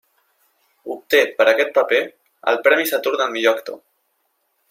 Obté per a aquest paper el Premi Saturn al millor actor.